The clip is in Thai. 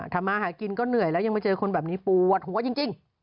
มาหากินก็เหนื่อยแล้วยังมาเจอคนแบบนี้ปวดหัวจริง